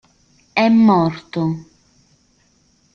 È morto.